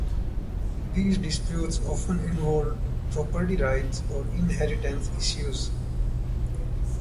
These disputes often involved property rights or inheritance issues.